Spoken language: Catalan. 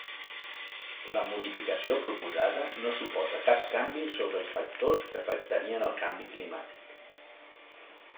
La modificació proposada no suposa cap canvi sobre els factors que afectarien el canvi climàtic.